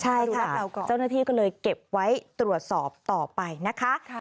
เจ้าหน้าที่ก็เลยเก็บไว้ตรวจสอบต่อไปนะคะ